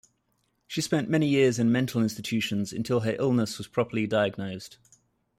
She spent many years in mental institutions until her illness was properly diagnosed.